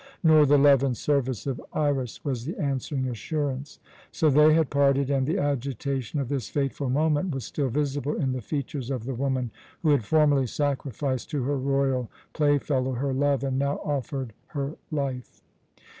"Nor the love and service of Iras," was the answering assurance. So they had parted, and the agitation of this fateful moment was still visible in the features of the woman who had formerly sacrificed to her royal playfellow her love, and now offered her life.